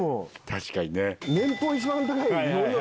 確かにね。